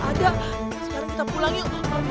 awak mulus orang nemu banyak banget ya